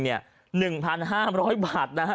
๑๕๐๐บาทนะครับ